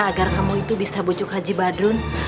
agar kamu itu bisa bujuk haji badrun